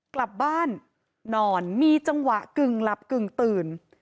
กลับบ้านนอนมีจังหวะกึ่งหลับกึ่งตื่น